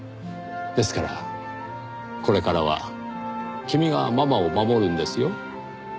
ですからこれからは君がママを守るんですよ。